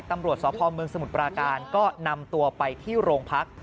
ตำรวจสพเมืองสมุทรปราการก็นำตัวไปที่โรงพัก